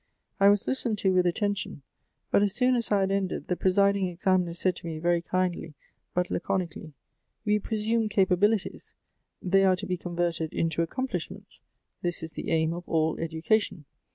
I was listened to with attention, but as soon as I had ended, the presiding examiner said to me very kindly but laconically, 'We presume capabili ' ties : they are to be converted into accomplishments. This is the aim of all education.